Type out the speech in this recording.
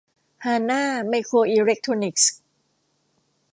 ฮานา ไมโครอิเล็คโทรนิคส